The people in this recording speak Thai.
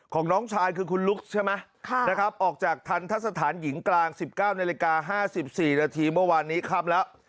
ของน้องชายคือคุณลุ๊กใช่ไหมนะครับออกจากทันทะสถานหญิงกลาง๑๙นาฬิกา๕๔นาทีเมื่อวานนี้ค่ำแล้ว